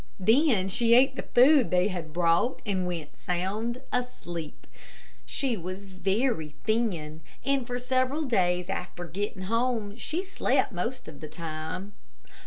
Then she ate the food they had brought, and went sound asleep. She was very thin, and for several days after getting home she slept the most of the time.